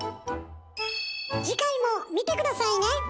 次回も見て下さいね！